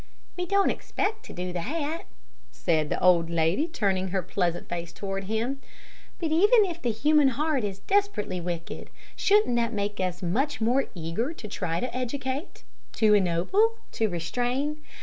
"We don't expect to do that," said the old lady, turning her pleasant face toward him; "but even if the human heart is desperately wicked, shouldn't that make us much more eager to try to educate, to ennoble, and restrain?